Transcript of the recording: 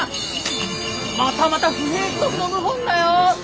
またまた不平士族の謀反だよ！